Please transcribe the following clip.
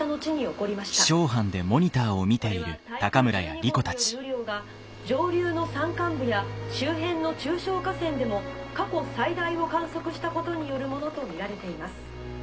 これは台風１２号による雨量が上流の山間部や周辺の中小河川でも過去最大を観測したことによるものと見られています。